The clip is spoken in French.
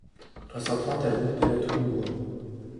trois cent trente avenue de la Touloubre